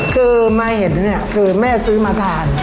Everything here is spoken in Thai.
คือมาเห็นเนี่ยคือแม่ซื้อมาทาน